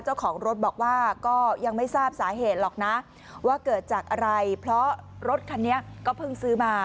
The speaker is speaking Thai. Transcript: เจ้าของรถบอกว่าก็ยังไม่ทราบสาเหตุหรอกนะว่าเกิดจากอะไรเพราะรถคันนี้ก็เพิ่งซื้อมา